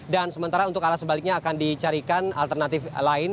dan sementara untuk arah sebaliknya akan dicarikan alternatif lain